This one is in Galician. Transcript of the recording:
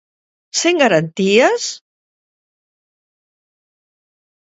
¿Sen garantías?